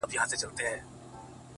سترگي په خوبونو کي راونغاړه;